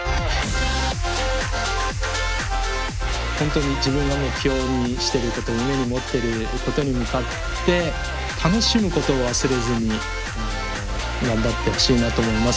本当に自分が目標にしてること夢に持ってることに向かって楽しむことを忘れずに頑張ってほしいなと思います。